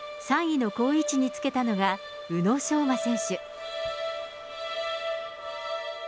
３位の好位置につけたのが、宇野昌磨選手。